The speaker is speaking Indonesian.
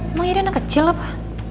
emang jadi anak kecil apa